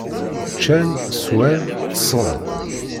Ččan, sswan, ṭṭsen.